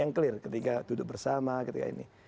yang clear ketika duduk bersama ketika ini